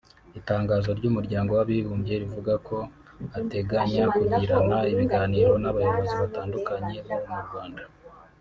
Itangazo ry’Umuryango w’Abibumbye rivuga ko “Ateganya kugirana ibiganiro n’abayobozi batandukanye bo mu Rwanda